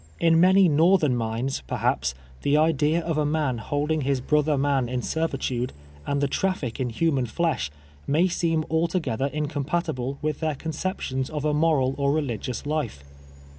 In many northern minds, perhaps, the idea of a man holding his brother man in servitude, and the traffic in human flesh, may seem altogetlier incompatible with their concei)ti<.ins of a moral or reliii'ious life.